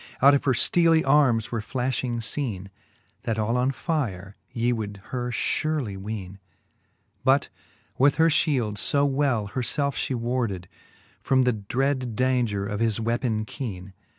Out of her fteely armes were flafliing feene,. That all on fire ye would her furely weene. But with her fliield fo well her felfe flie warded, From the dread daunger of his weapon keene.